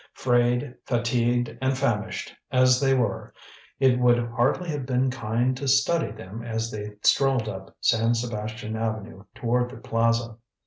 Frayed, fatigued and famished as they were, it would hardly have been kind to study them as they strolled up San Sebastian Avenue toward the plaza.